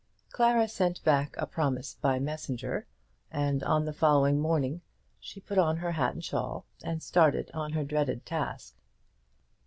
Clara sent back a promise by the messenger, and on the following morning she put on her hat and shawl, and started on her dreaded task.